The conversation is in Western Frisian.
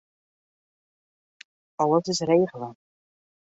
Alles is regele.